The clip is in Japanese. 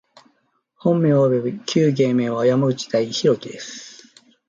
本名および旧芸名は、山口大樹（やまぐちひろき）